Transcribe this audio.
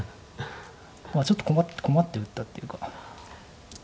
ちょっと困って困って打ったっていうか。